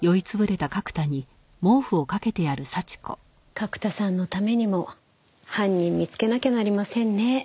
角田さんのためにも犯人見つけなきゃなりませんね。